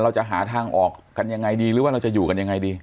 เราจะหาทางออกกันยังไงดีหรือว่าเราจะอยู่กันยังไงดี